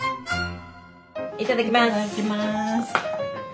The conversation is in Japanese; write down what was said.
いただきます！